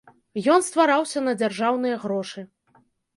Ён ствараўся на дзяржаўныя грошы.